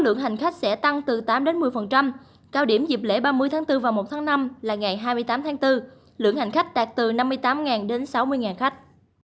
lượng hành khách sẽ tăng từ tám đến một mươi cao điểm dịp lễ ba mươi tháng bốn và một tháng năm là ngày hai mươi tám tháng bốn lượng hành khách đạt từ năm mươi tám đến sáu mươi khách